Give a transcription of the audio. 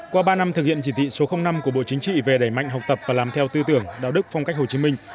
qua ba năm thực hiện chỉ thị số năm của bộ chính trị về đẩy mạnh học tập và làm theo tư tưởng đạo đức phong cách hồ chí minh